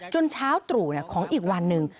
เช้าตรู่ของอีกวันหนึ่ง